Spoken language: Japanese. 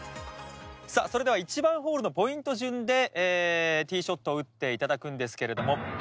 さあそれでは１番ホールのポイント順でＴｅｅショットを打っていただくんですけれども。